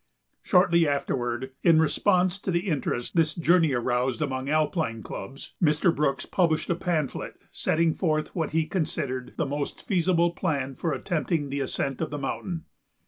Shortly afterward, in response to the interest this journey aroused among Alpine clubs, Mr. Brooks published a pamphlet setting forth what he considered the most feasible plan for attempting the ascent of the mountain.